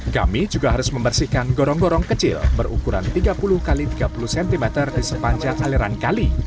kami juga harus membersihkan gorong gorong kecil berukuran tiga puluh x tiga puluh cm di sepanjang aliran kali